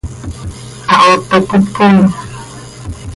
¿Hahoot hac cöitpooin?